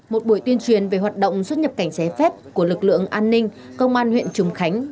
một buổi tuyên truyền về hoạt động xuất nhập cảnh trái phép của lực lượng an ninh công an huyện trùng khánh